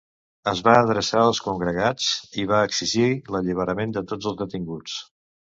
Es va adreçar als congregats i va exigir l’alliberament de tots els detinguts.